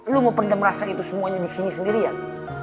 lo mau pendam rasa itu semuanya di sini sendirian